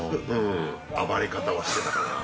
暴れ方はしてたかな。